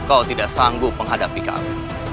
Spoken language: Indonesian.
kau tidak sanggup menghadapi kami